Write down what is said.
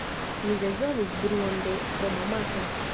Mi bezonis bruon de homamaso.